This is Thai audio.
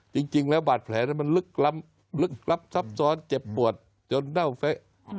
จริงจริงแล้วบาดแผลนั้นมันลึกลำลึกลับซับซ้อนเจ็บปวดจนเน่าแฟ้